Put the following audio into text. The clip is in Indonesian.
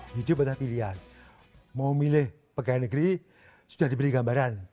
jadi pada pilihan mau milih pakaian negeri sudah diberi gambaran